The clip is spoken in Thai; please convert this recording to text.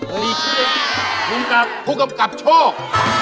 ผู้กำกับผู้กำกับโชค